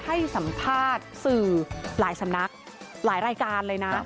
ให้สัมภาษณ์สื่อหลายสำนักหลายรายการเลยนะ